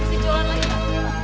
ini eh cabut gak sih